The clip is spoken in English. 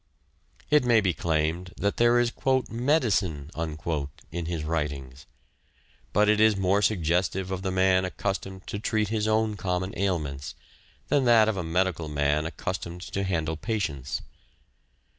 It may be claimed that there is " medicine " in his writings, but it is more suggestive of the man accustomed to treat his own common ailments, than that of a medical man accustomed to handle patients.